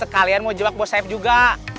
kalian mau jebak bos saya juga